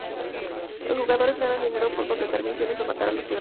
Los jugadores ganan dinero por completar misiones o matar a los ciudadanos.